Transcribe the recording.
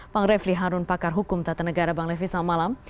bang refli harun pakar hukum tata negara bang refli selamat malam